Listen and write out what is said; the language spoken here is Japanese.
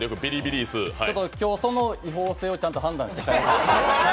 ちょっと今日、その違法性をちゃんと判断して帰りたいと。